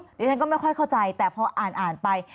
ดิฉันก็ไม่ค่อยเข้าใจแต่พออ่านไป